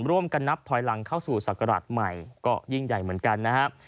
ร่วมกันนับพอยลังเข้าสู่สักกระดาษใหม่ก็ยิ่งใหญ่เหมือนกันนะครับ